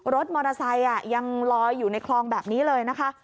รถมอเตอร์ไซค์ยังลอยอยู่ในคลองแบบนี้เลยนะคะ